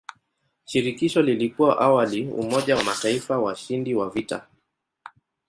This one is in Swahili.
Shirikisho lilikuwa awali umoja wa mataifa washindi wa vita.